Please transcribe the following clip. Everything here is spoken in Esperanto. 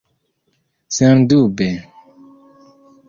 sendube